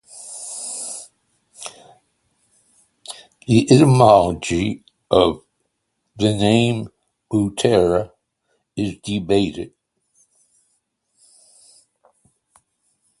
The etymology of the name "Butera" is debated.